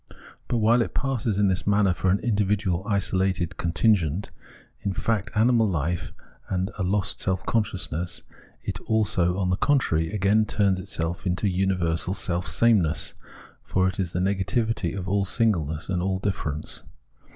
But while it passes in this manner for an individual, isolated, contingent, in fact animal life, and a lost self consciousness, it also, on the contrary, again turns itself into universal self sameness ; for it is the negativity of all singleness and all difference.